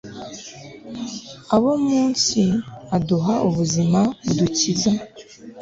abo mu nsi aduha ubuzima budukiza